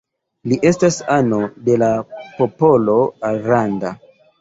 Li estas ano de la popolo Aranda.